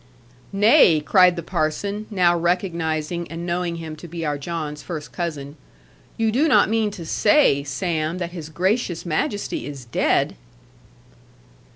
'Nay,' cried the parson, now recognising and knowing him to be our John's first cousin, 'you do not mean to say, Sam, that His Gracious Majesty is dead!'